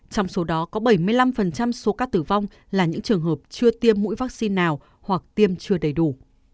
trong số đó có bảy mươi năm số ca tử vong là những trường hợp chưa tiêm mũi vaccine nào hoặc tiêm chưa đầy đủ